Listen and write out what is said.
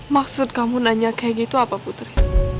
maksud kamu nanya kayak gitu apa putri